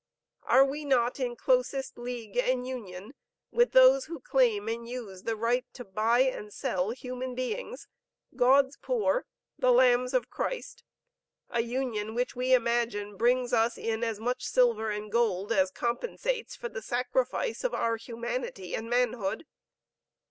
Are we not in closest league and union with those who claim and use the right to buy and sell human beings, God's poor, the lambs of Christ, a union, which we imagine brings us in as much silver and gold as compensates for the sacrifice of our humanity and manhood?